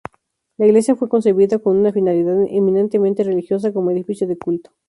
La iglesia fue concebida con una finalidad eminentemente religiosa, como edificio de culto.